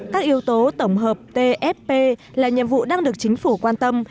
các yếu tố tổng hợp tfp là nhiệm vụ đang được chính phủ quan tâm